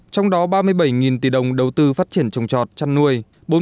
trong đó ba mươi bảy tỷ đồng đầu tư phát triển trồng trọt chăn nuôi